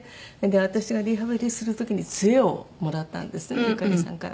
私がリハビリする時に杖をもらったんですゆかりさんから。